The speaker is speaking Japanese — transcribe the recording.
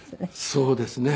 そうですね。